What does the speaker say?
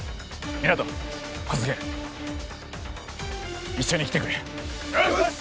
湊小菅一緒に来てくれよし！